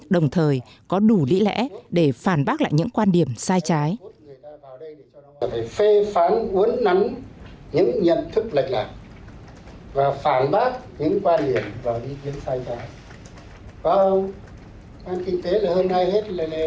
đồng thời có đủ lý lẽ để phản bác lại những quan điểm sai trái